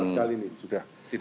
sangat mahal sekali ini